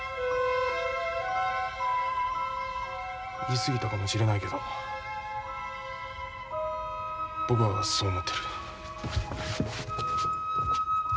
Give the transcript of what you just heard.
言い過ぎたかもしれないけど僕はそう思ってる。